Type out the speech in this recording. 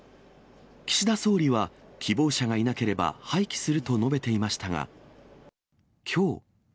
岸田総理は希望者がいなければ、廃棄すると述べていましたが、きょう。